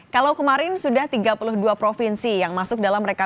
kalau kemarin sudah tiga puluh dua provinsi yang masuk dalam rekaman